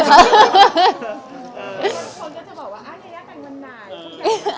คนจะบอกว่ายายะเป็นวันหน่าย